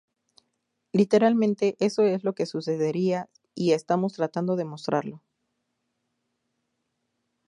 Literalmente, eso es lo que sucedería y estamos tratando de mostrarlo.